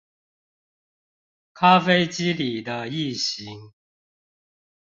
咖啡機裡的異型